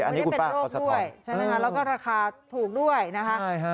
มันได้เป็นโรคด้วยแล้วก็ราคาถูกด้วยนะครับ